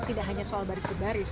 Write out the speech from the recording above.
tidak hanya soal baris ke baris